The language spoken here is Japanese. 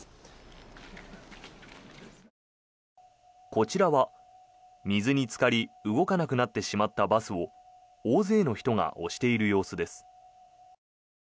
こちらは、水につかり動かなくなってしまったバスを大勢の人が押している様子です。